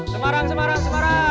semarang semarang semarang